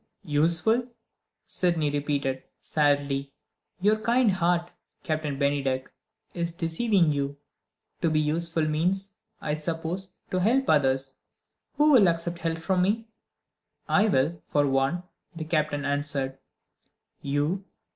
"Useful?" Sydney repeated sadly. "Your own kind heart, Captain Bennydeck, is deceiving you. To be useful means, I suppose, to help others. Who will accept help from me?" "I will, for one," the Captain answered. "You!"